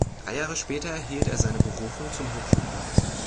Drei Jahre später erhielt er seine Berufung zum Hochschulprofessor.